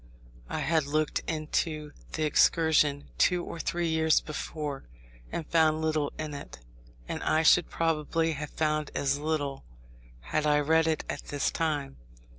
I had looked into the Excursion two or three years before, and found little in it; and I should probably have found as little, had I read it at this time.